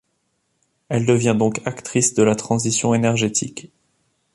Elle devient donc actrice de la transition énergétique.